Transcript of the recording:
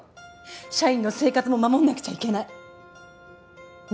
社員の生活も守んなくちゃいけないね